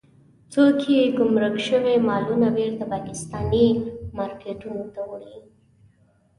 څوک يې ګمرک شوي مالونه بېرته پاکستاني مارکېټونو ته وړي.